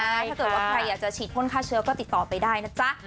ถ้าเกิดว่าใครอยากจะฉีดพ่นฆ่าเชื้อก็ติดต่อไปได้นะจ๊ะ